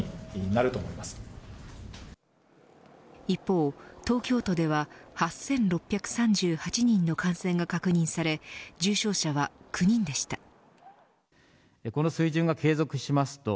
一方、東京都では８６３８人の感染が確認され重症者は９人でした。